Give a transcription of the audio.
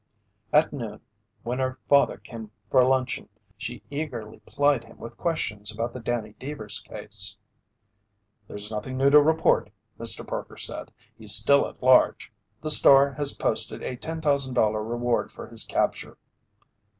At noon when her father came for luncheon, she eagerly plied him with questions about the Danny Deevers case. "There's nothing new to report," Mr. Parker said. "He's still at large. The Star has posted a $10,000 reward for his capture."